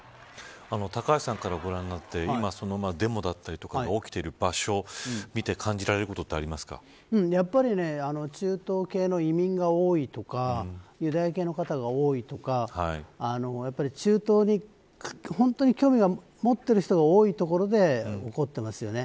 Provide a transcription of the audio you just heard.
高橋さんからご覧になって今、デモだったりが起きている場所見て感じられることってやっぱり中東系の移民が多いとかユダヤ系の方が多いとか中東に本当に興味を持ってる人が多い所で起こってますよね。